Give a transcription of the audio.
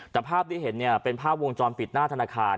แต่ภาพที่เห็นเป็นภาพวงจรปิดหน้าธนาคาร